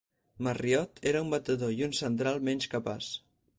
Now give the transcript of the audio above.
Marriott era un batedor i un central menys capaç.